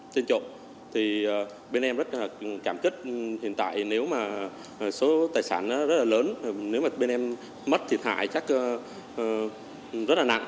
trên trộm thì bên em rất là cảm kích hiện tại nếu mà số tài sản rất là lớn nếu mà bên em mất thiệt hại chắc rất là nặng